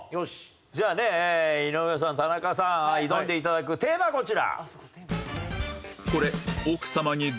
じゃあね井上さん田中さん挑んで頂くテーマこちら。